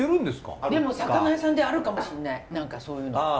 でも魚屋さんであるかもしんない何かそういうの。